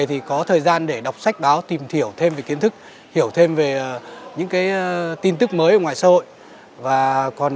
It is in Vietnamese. thì có thời gian để đọc sách báo tìm hiểu thêm về kiến thức hiểu thêm về những tin tức mới ngoài xã hội